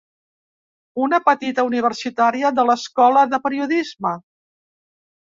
Una petita universitària de l'Escola de Periodisme!